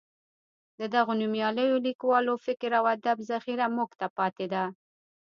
د دغو نومیالیو لیکوالو فکر او ادب ذخیره موږ ته پاتې ده.